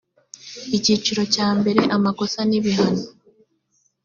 icyiciro cya mbere amakosa n ibihano